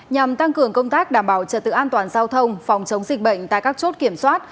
nhằm tăng cường công tác đảm bảo trật tự an toàn giao thông phòng chống dịch bệnh tại các chốt kiểm soát